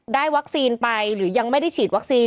วัคซีนไปหรือยังไม่ได้ฉีดวัคซีน